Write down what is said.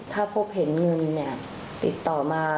ถ้าพบเห็นเงินติดต่อมา